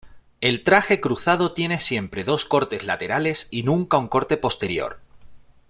El traje cruzado tiene siempre dos cortes laterales y nunca un corte posterior.